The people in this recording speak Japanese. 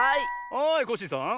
はいコッシーさん。